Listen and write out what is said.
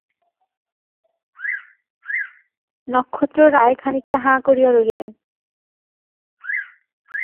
নক্ষত্ররায় খানিকটা হাঁ করিয়া রহিলেন।